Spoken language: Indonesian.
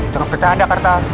cerob becanda pak rta